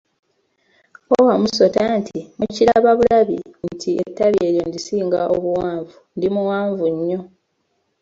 Ko Wamusota nti, mukiraba bulabi nti ettabi eryo ndisinga obuwanvu ndi muwanvu nnyo.